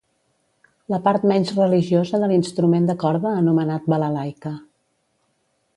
La part menys religiosa de l'instrument de corda anomenat balalaika.